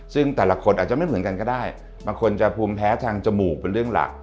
ซึ่งแต่ละคนอาจจะไม่เหมือนกันก็ได้บางคนจะภูมิแพ้ทางจมูกเป็นเรื่องหลัก